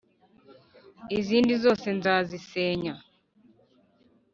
izindi zose nzazisenya